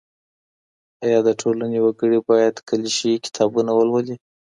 ايا د ټولني وګړي بايد کليشه يي کتابونه ولولي؟